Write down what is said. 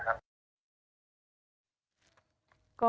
ผมไม่ค่อยได้เข้าบ้านนะครับ